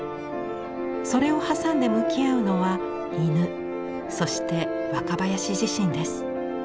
それを挟んで向き合うのは犬そして若林自身です。